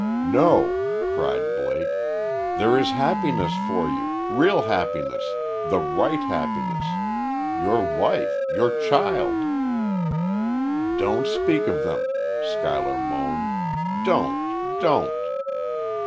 "No!" cried Blake! "There is happiness for you real happiness the right happiness! Your wife your child " "Don't speak of them," Schuyler moaned. "Don't! ... Don't!"